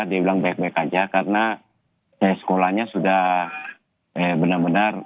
dia bilang baik baik aja karena sekolahnya sudah benar benar